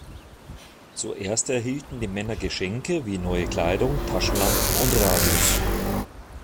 Zuerst erhielten die Männer Geschenke wie neue Kleidung, Taschenlampen und Radios.